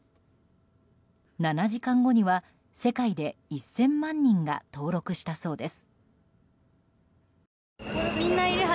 ７時間後には、世界で１０００万人が登録したそうです。